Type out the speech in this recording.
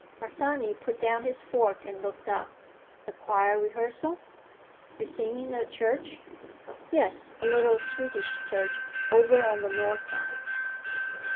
Harsanyi put down his fork and looked up. "A choir rehearsal? You sing in a church?" "Yes. A little Swedish church, over on the North side."